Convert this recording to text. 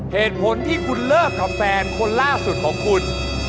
เหตุผลที่คุณเลิกกับแฟนคนล่าสุดของคุณ